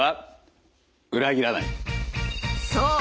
そう！